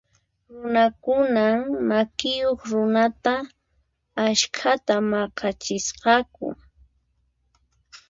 Runakunan makiyuq runata askhata maq'achisqaku.